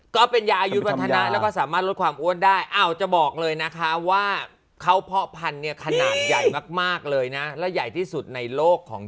ฉันว่านะหนังตรงท้องต้อง